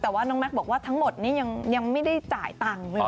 แต่ว่าน้องแม็กซ์บอกว่าทั้งหมดนี้ยังไม่ได้จ่ายตังค์